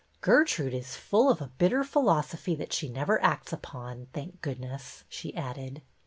" Gertrude is full of a bitter philosophy that she never acts upon, thank goodness," she added.